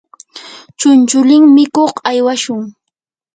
chunchulin mikuq aywashun.